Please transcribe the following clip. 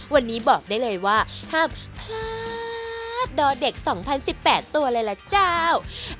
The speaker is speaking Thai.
วันนี้บอกได้เลยว่าห้ามพลาดรอเด็ก๒๐๑๘ตัวเลยล่ะเจ้า